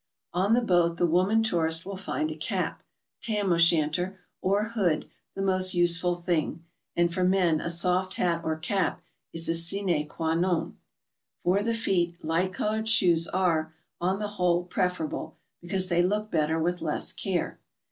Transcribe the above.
On the boat the woman tourist will find a cap, Tam o' Shanter or hood the most useful thing, and for men a soft hat or cap is a sine qua non. For the feet, light colored shoes are, on the whole, preferable, because they look better with less care.